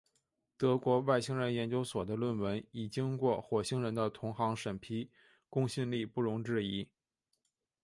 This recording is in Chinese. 德国外星人研究所的论文已经过火星人的同行审批，公信力不容置疑。